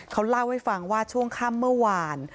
เขาเล่าให้ฟังว่าช่วงค่ำเมื่อวาน